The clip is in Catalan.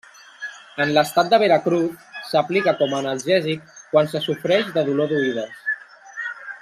En l'estat de Veracruz s'aplica com a analgèsic quan se sofreix de dolor d'oïdes.